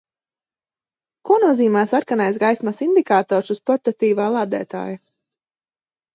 Ko nozīmē sarkanais gaismas indikators uz portatīvā lādētāja?